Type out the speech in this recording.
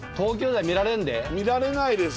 見られないです。